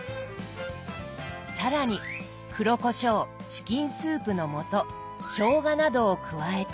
更に黒こしょうチキンスープの素しょうがなどを加えて。